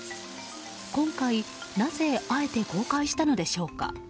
今回、なぜあえて公開したのでしょうか。